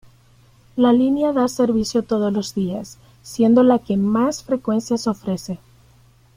La línea da servicio todos los días, siendo la que más frecuencias ofrece.